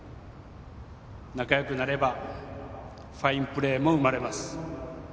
仲よくなればファインプレーも生まれます。